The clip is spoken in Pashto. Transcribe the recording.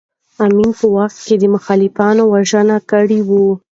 امین په واک کې د مخالفانو وژنه کړې وه.